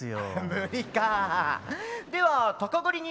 無理か。